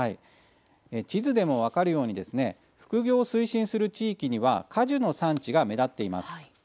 地図でも分かるように副業を推進する地域には果樹の産地が目立っています。